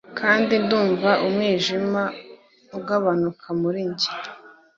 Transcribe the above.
Kandi ndumva umwijima ugabanuka muri njye